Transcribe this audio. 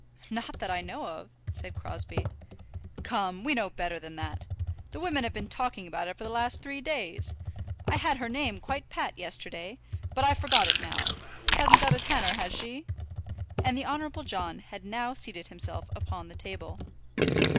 "Not that I know of," said Crosbie. "Come, we know better than that. The women have been talking about it for the last three days. I had her name quite pat yesterday, but I've forgot it now. Hasn't got a tanner; has she?" And the Honourable John had now seated himself upon the table.